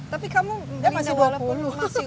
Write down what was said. tapi kamu masih dua puluh